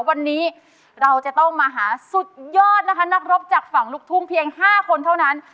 วันนี้เราจะต้องมาหาสุดยอดนะคะนักรบจากฝั่งลูกทุ่งเพียง๕คนเท่านั้น